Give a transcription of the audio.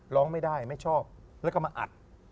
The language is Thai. ร้องไม่ได้ไม่ชอบแล้วก็มาอัด